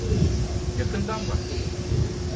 Yakından bak.